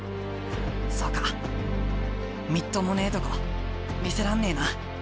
みっともねえとこ見せらんねえな！